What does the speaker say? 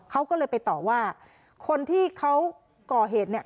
เขาก็เลยไปต่อว่าคนที่เขาก่อเหตุเนี่ย